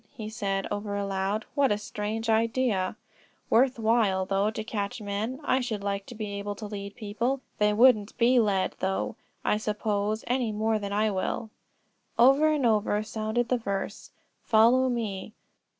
he said over aloud; "what a strange idea. Worth while, though, to catch men. I should like to be able to lead people. They wouldn't be led, though, I suppose any more than I will." Over and over sounded the verse, "Follow me."